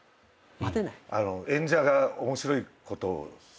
演者が面白いことするのを。